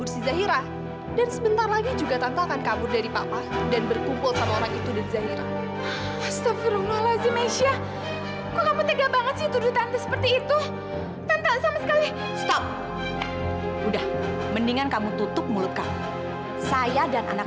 sampai jumpa di video selanjutnya